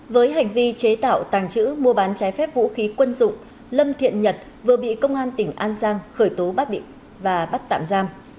với hành vi chế tạo tàng trữ mua bán trái phép vũ khí quân dụng lâm thiện nhật vừa bị công an tỉnh an giang khởi tố và bắt tạm giam